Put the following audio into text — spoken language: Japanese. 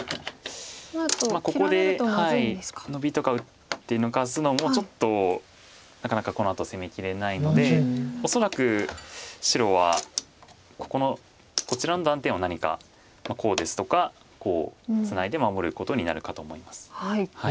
ここでノビとか打って抜かすのもちょっとなかなかこのあと攻めきれないので恐らく白はここのこちらの断点を何かこうですとかこうツナいで守ることになるかと思います。